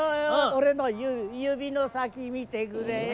俺の指の先見てくれよ」。